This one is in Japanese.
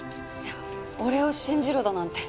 「俺を信じろ」だなんて。